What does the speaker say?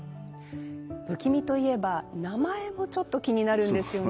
不気味といえば名前もちょっと気になるんですよね。